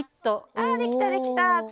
あできたできた！